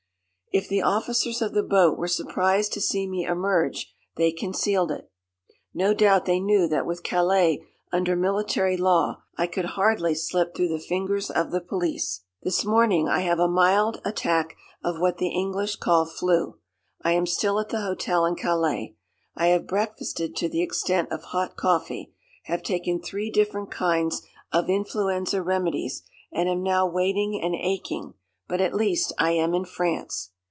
If the officers of the boat were surprised to see me emerge they concealed it. No doubt they knew that with Calais under military law I could hardly slip through the fingers of the police. "This morning I have a mild attack of what the English call 'flu.' I am still at the hotel in Calais. I have breakfasted to the extent of hot coffee, have taken three different kinds of influenza remedies, and am now waiting and aching, but at least I am in France.